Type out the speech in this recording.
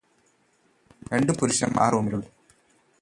രണ്ട് പുരുഷന്മാർ ആ റൂമിലുണ്ട്